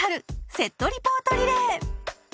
セットリポートリレー